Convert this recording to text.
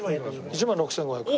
１万６５００円。